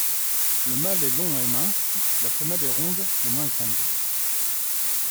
Le mâle est long et mince, la femelle est ronde et moins grande.